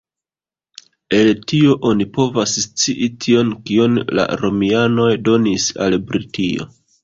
El tio oni povas scii tion, kion la Romianoj donis al Britio.